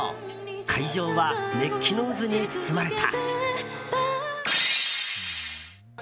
会場は熱気の渦に包まれた。